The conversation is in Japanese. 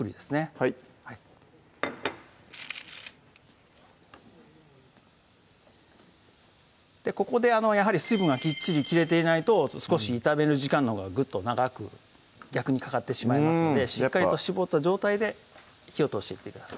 はいここでやはり水分がきっちり切れていないと少し炒める時間のほうがグッと長く逆にかかってしまいますのでしっかりと絞った状態で火を通していってください